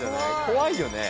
怖いよね。